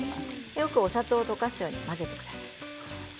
よくお砂糖を溶かすように混ぜてください。